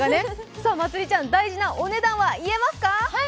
まつりちゃん、大事なお値段は言えますか？